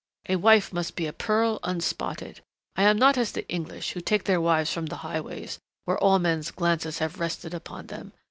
A wife must be a pearl unspotted.... I am not as the English who take their wives from the highways, where all men's glances have rested upon them.